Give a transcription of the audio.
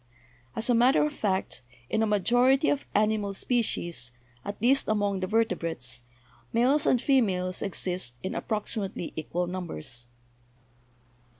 As a matter of fact, in a majority of animali species, at least among the vertebrates, males and females exist in approximately equal numbers.